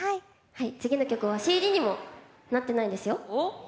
次の曲ＣＤになってないですよ。